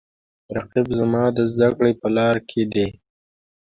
رقیب زما د زده کړې په لاره کې دی